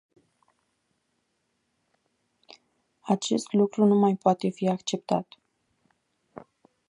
Acest nu lucru nu mai poate fi acceptat.